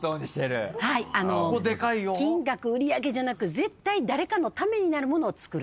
金額売り上げじゃなく絶対誰かのためになるものをつくる。